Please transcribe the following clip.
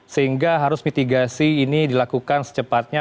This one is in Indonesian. sehingga harus mitigasi ini dilakukan secepatnya